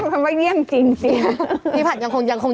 ทำให้เงี่ยมจริง